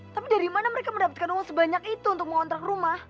tapi dari mana mereka mendapatkan uang sebanyak itu untuk mengontrak rumah